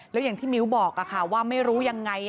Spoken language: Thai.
แล้วอย่างที่มิ้วบอกว่าไม่รู้ยังไง